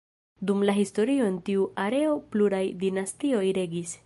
Dum la historio en tiu areo pluraj dinastioj regis.